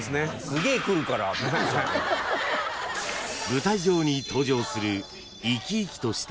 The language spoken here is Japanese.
［舞台上に登場する］